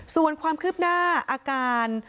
ส่วนความคืบหน้าอาการ